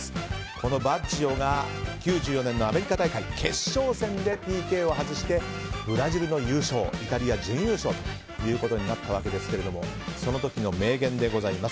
このバッジョが９４年のアメリカ大会決勝戦でＰＫを外してブラジルの優勝イタリア準優勝となったわけですがその時の名言でございます。